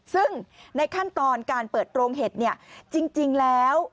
ซึ่งในขั้นตอนการเปิดโรงเห็ดเนี่ยจริงแล้ว